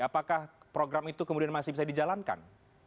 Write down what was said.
apakah program itu kemudian masih bisa dijalankan